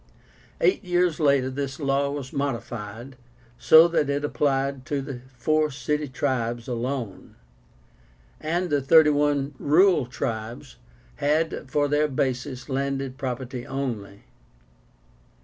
Eight years later this law was modified, so that it applied to the four city tribes alone, and the thirty one rural tribes had for their basis landed property only.